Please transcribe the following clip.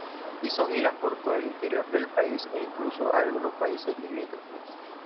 Hizo giras por todo el interior del país e incluso a algunos países limítrofes.